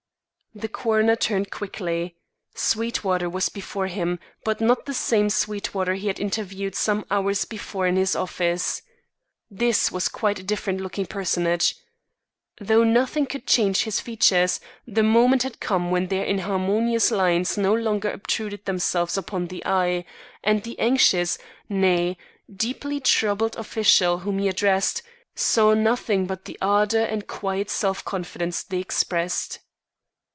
The coroner turned quickly. Sweetwater was before him; but not the same Sweetwater he had interviewed some few hours before in his office. This was quite a different looking personage. Though nothing could change his features, the moment had come when their inharmonious lines no longer obtruded themselves upon the eye; and the anxious, nay, deeply troubled official whom he addressed, saw nothing but the ardour and quiet self confidence they expressed.